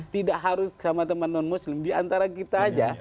tidak harus sama teman non muslim diantara kita aja